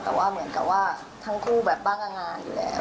แต่ว่าเหมือนกับว่าทั้งคู่แบบบ้างงานอยู่แล้ว